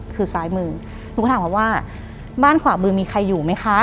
คือซ้ายมือหนูก็ถามเขาว่าบ้านขวามือมีใครอยู่ไหมคะ